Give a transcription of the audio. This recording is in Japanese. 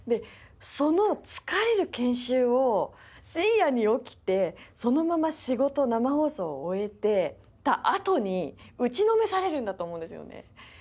その疲れる研修を深夜に起きてそのまま仕事生放送を終えたあとに打ちのめされるんだと思うんですよね。